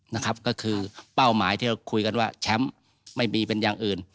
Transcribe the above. นะครับก็คือเป้าหมายที่เราคุยกันว่าแชมป์ไม่มีเป็นอย่างอื่น